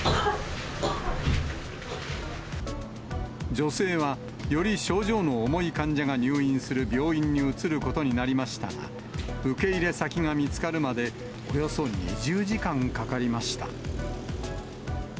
女性は、より症状の重い患者が入院する病院に移ることになりましたが、受け入れ先が見つかるまで、およそ２０時間かかりました。